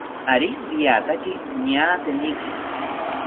Ari riataki ñaateniki